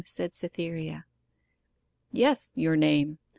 said Cytherea. 'Yes your name.